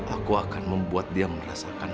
aku akan membuat dia merasakan